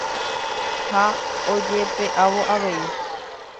ha ojepe'ávo he'i